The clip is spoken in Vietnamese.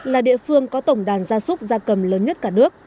là địa phương có tổng đàn gia súc gia cầm lớn nhất cả nước